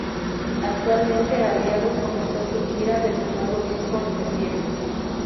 Actualmente Aliados comenzó su gira de su nuevo disco en septiembre.